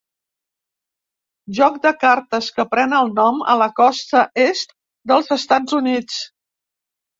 Joc de cartes que pren el nom a la costa est dels Estats Units.